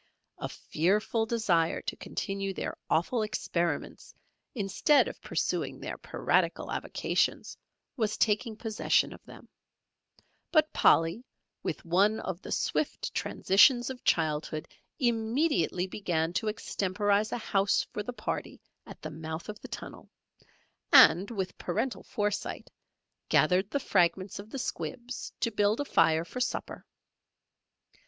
A fearful desire to continue their awful experiments, instead of pursuing their piratical avocations, was taking possession of them; but Polly, with one of the swift transitions of childhood, immediately began to extemporise a house for the party at the mouth of the tunnel, and, with parental foresight, gathered the fragments of the squibs to build a fire for supper.